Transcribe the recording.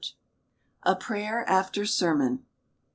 A PRAYER AFTER SERMON.